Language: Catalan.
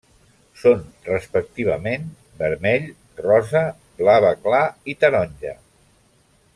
Són, respectivament, vermell, rosa, blava clar i taronja.